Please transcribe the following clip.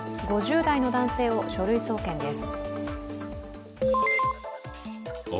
５０代の男性を書類送検です。